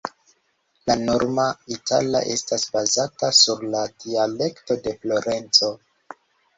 La norma itala estas bazata sur la dialekto de Florenco.